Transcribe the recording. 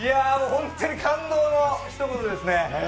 本当に感動の一言ですね。